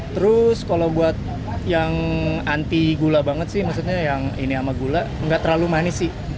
terus kalau buat yang anti gula banget sih maksudnya yang ini sama gula nggak terlalu manis sih